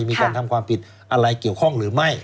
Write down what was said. มีการทำความผิดอะไรเกี่ยวข้องหรือไม่